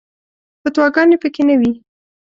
فتواګانې په کې نه وي.